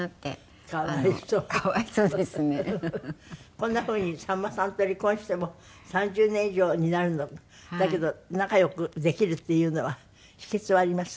こんなふうにさんまさんと離婚しても３０年以上になるのにだけど仲良くできるっていうのは秘訣はあります？